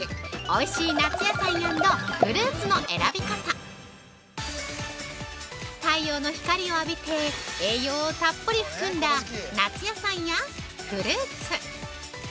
おいしい夏野菜＆フルーツの選び方太陽の光を浴びて、栄養をたっぷり含んだ夏野菜やフルーツ。